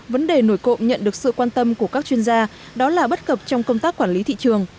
vấn đề nổi cộng nhận được sự quan tâm của các chuyên gia đó là bất cập trong công tác quản lý thị trường